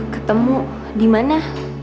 ketemu di mana